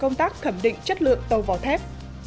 công tác khẩm định chất lượng tàu vỏ thép